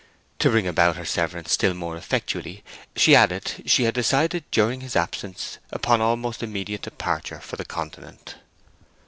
To bring about their severance still more effectually, she added, she had decided during his absence upon almost immediate departure for the Continent.